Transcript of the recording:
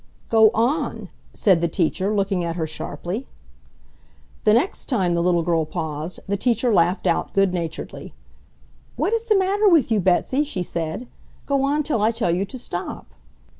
"Go ON," said the teacher, looking at her sharply. The next time the little girl paused the teacher laughed out good naturedly. "What is the matter with you, Betsy?" she said. "Go on till I tell you to stop."